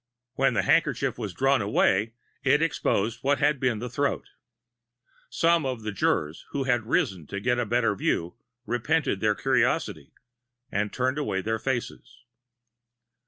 When the handkerchief was drawn away it exposed what had been the throat. Some of the jurors who had risen to get a better view repented their curiosity, and turned away their faces.